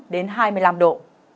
một mươi tám đến hai mươi năm độ